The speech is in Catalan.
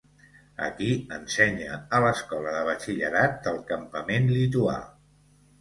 Aquí ensenya a l'escola de batxillerat del campament lituà.